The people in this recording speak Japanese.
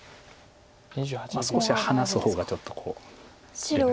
少し離す方がちょっと連絡。